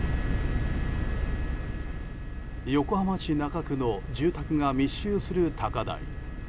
横浜市中区の住宅が密集する高台。